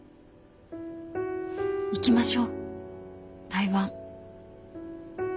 行きましょう台湾。